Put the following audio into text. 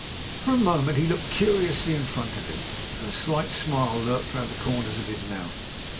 For a moment he looked curiously in front of him, and a slight smile lurked round the comers of his mouth.